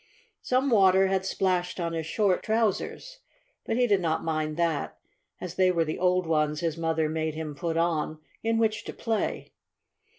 Some water had splashed on his short trousers, but he did not mind that, as they were the old ones his mother made him put on in which to play.